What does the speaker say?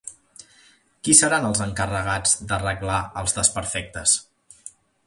Qui seran els encarregats d'arreglar els desperfectes?